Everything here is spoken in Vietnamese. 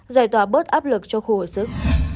giải tỏa bớt áp lực cho khu hội sức